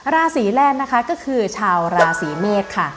ราศีแรกนะคะก็คือชาวราศีเมษค่ะ